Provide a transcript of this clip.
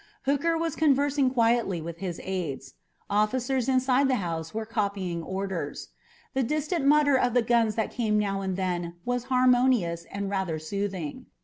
Hooker was conversing quietly with his aides. Officers inside the house were copying orders. The distant mutter of the guns that came now and then was harmonious and rather soothing.